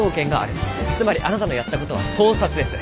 つまりあなたのやった事は盗撮です。